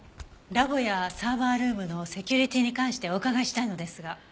ラボやサーバールームのセキュリティーに関してお伺いしたいのですが。